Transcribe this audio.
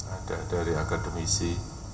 ada dari akademisi